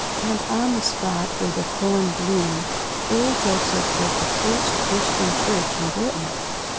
And on the spot where the Thorn bloomed, there Joseph built the first Christian church in Britain.